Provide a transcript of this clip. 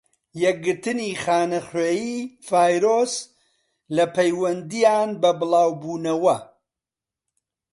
یەکگرتنی خانەخوێی-ڤایرۆس لە پەیوەندیان بە بڵاو بونەوە.